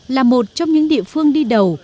là một trong những địa phương đi đầu